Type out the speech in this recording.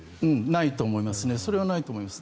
それはないと思います。